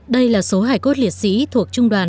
đây là số hải cốt liệt sĩ thuộc trung đoàn hai trăm linh chín